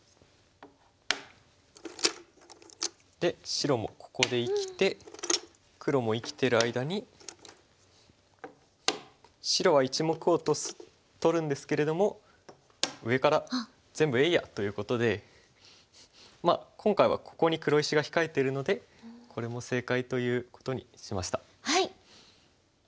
で白もここで生きて黒も生きてる間に白は１目を取るんですけれども上から全部えいや！ということでまあ今回はここに黒石が控えてるのでこれも正解ということにしました。